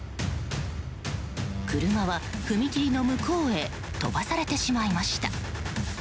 車は踏切の向こうへ飛ばされてしまいました。